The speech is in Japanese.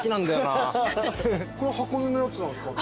これ箱根のやつなんですかね。